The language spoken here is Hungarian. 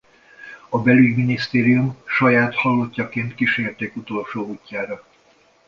A Belügyminisztérium saját halottjaként kísérték utolsó útjára.